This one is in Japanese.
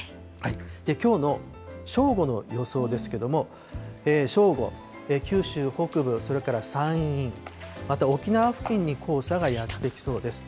きょうの正午の予想ですけども、正午、九州北部、それから山陰、また沖縄付近に黄砂がやって来そうです。